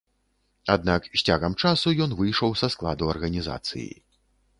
Аднак з цягам часу ён выйшаў са складу арганізацыі.